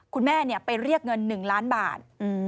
คุณแม่ไปเรียกเงิน๑ล้านบาท